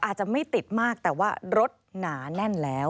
อาจจะไม่ติดมากแต่ว่ารถหนาแน่นแล้ว